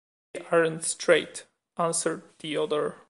'They aren't straight,' answered the other.